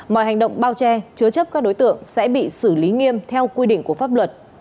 mọi hành động bao che chứa chấp các đối tượng sẽ bị xử lý nghiêm theo quy định của pháp luật